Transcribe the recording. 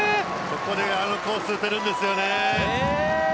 ここであのコースに打てるんですよね。